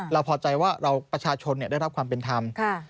พอใจว่าประชาชนได้รับความเป็นธรรม